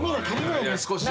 少し。